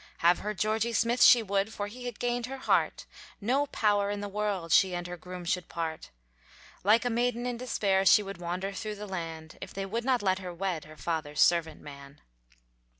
Have her Georgy Smith she would For he had gained her heart; No power in the world, She and her groom should part. Like a maiden in despair, She would wander through the land, If they would not let her wed, Her father's servant man.